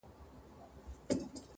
ښایسته ملکه سمه لېونۍ سوه٫